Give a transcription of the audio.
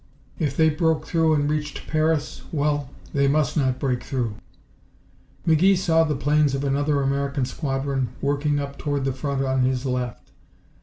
If they broke through and reached Paris well, they must not break through! McGee saw the planes of another American squadron working up toward the front on his left.